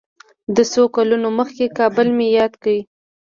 د څو کلونو مخکې کابل مې یاد کړ.